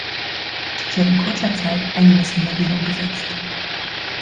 Sie hat in kurzer Zeit einiges in Bewegung gesetzt.